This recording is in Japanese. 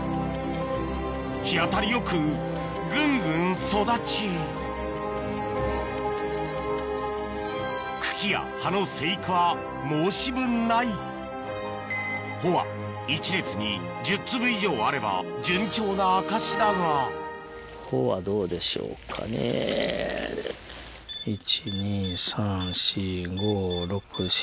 日当たりよくぐんぐん育ち茎や葉の生育は申し分ない穂は１列に１０粒以上あれば順調な証しだがおぉいいんじゃない？